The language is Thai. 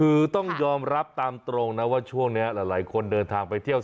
คือต้องยอมรับตามตรงนะว่าช่วงนี้หลายคนเดินทางไปเที่ยว